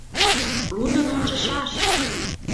Лудын ончышаш...